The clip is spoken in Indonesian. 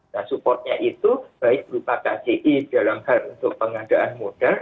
nah supportnya itu baik berupa kci dalam hal untuk pengadaan modal